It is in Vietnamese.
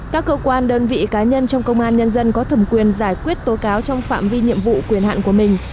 các cơ quan đơn vị cá nhân trong công an nhân dân có thẩm quyền giải quyết tố cáo trong phạm vi nhiệm vụ quyền hạn của mình